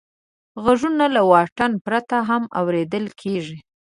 غږونه له واټن پرته هم اورېدل کېږي.